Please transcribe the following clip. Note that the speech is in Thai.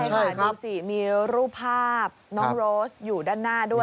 ใช่ค่ะดูสิมีรูปภาพน้องโรสอยู่ด้านหน้าด้วย